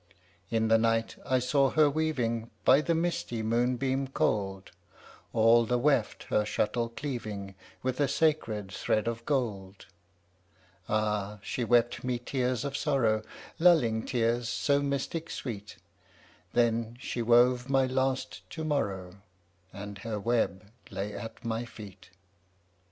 In the night I saw her weaving By the misty moonbeam cold, All the weft her shuttle cleaving With a sacred thread of gold. Ah! she wept me tears of sorrow, Lulling tears so mystic sweet; Then she wove my last to morrow, And her web lay at my feet.